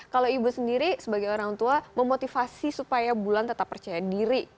kalau ibu sendiri sebagai orang tua memotivasi supaya bulan tetap percaya diri